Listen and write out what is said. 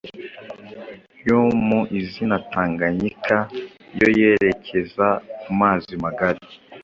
yo mu izina Tanganyika yo yerekeza ku mazi magari